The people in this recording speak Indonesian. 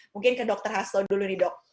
mungkin ke dr hasto dulu nih dok